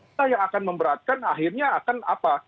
kita yang akan memberatkan akhirnya akan apa